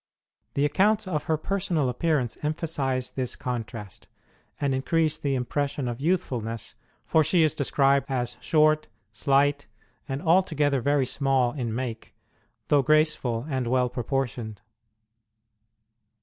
The accounts of her personal appearance emphasize this contrast, and increase the impression of youthfulness, for she is described as short, slight, and altogether very small in make, though graceful and well proportioned.